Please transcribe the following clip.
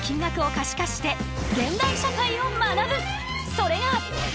それが。